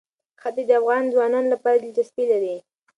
ښتې د افغان ځوانانو لپاره دلچسپي لري.